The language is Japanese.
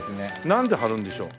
何で貼るんでしょう？